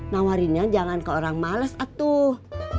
nawarin nya jangan ke orang males atuh